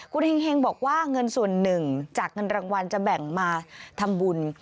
คุณเฮงบอกว่าเงินส่วนหนึ่งจากเงินรางวัลจะแบ่งมาทำบุญ